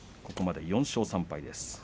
ここまで４勝３敗です。